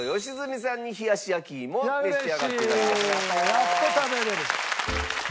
やっと食べられる。